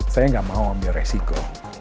saya nggak mau ambil resiko